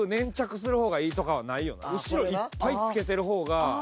後ろいっぱい付けてるほうが。